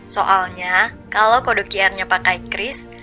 soalnya kalau kode qr nya pakai kris